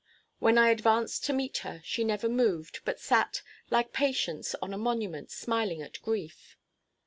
When I advanced to meet her, she never moved, but sat, "like Patience on a monument, smiling at Grief."